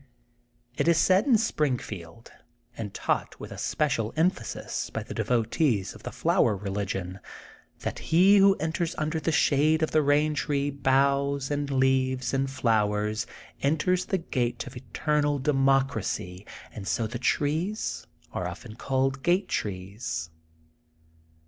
It is said in Springfield, and taught with especial emphasis by the devotees of the Flower Beligion, that he who enters under the shade of the Bain Tree boughs and leaves and flowers, enters the gate of eternal de mocracy, and so the trees are often called Gate Trees.